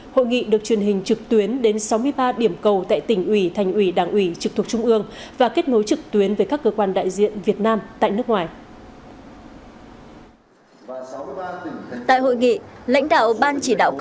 hội nghị được truyền hình trực tuyến đến sáu mươi ba điểm cầu tại tỉnh ủy thành ủy đảng ủy trực thuộc trung ương và kết nối trực tuyến với các cơ quan đại diện việt nam tại nước ngoài